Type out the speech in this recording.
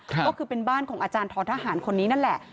ก็คือเป็นบ้านของอาจารย์ท้อทหารคนนี้นั่นแหละ